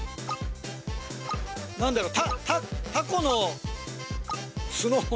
何だろう